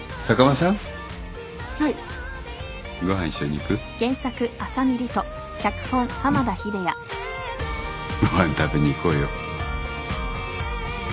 ご飯食べに行こうよ。